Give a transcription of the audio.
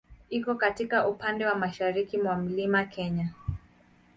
Iko katika upande wa mashariki mwa Mlima Kenya.